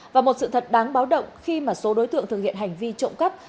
và một sự thật đáng báo động khi mà số đối tượng thực hiện hành vi trộm cắp